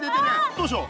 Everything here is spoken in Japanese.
どうしよう？